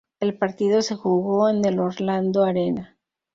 El partido se jugó en el Orlando Arena.